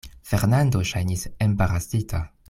Fernando ŝajnis embarasita.